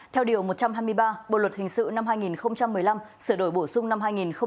theo điều một trăm hai mươi ba bộ luật hình sự năm hai nghìn một mươi năm sửa đổi bổ sung năm hai nghìn một mươi bảy